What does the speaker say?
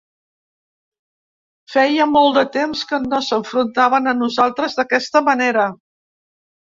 Feia molt de temps que no s’enfrontaven a nosaltres d’aquesta manera.